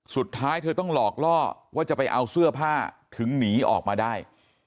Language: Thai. สุดท้ายเธอต้องหลอกล่อว่าจะไปเอาเสื้อผ้าถึงหนีออกมาได้